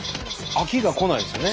飽きがこないですよね。